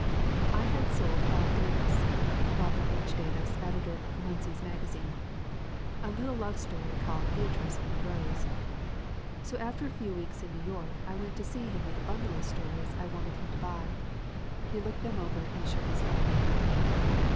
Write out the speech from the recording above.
"I had sold Bob Davis [Robert H. Davis, editor of Munsey's Magazine} a little love story called Bea trice and the Rose. So after a few weeks in New York I went to see him with a bundle of stories I 344 THE WOMEN WHO MAKE OUR NOVELS wanted him to buy. He looked them over and shook his head.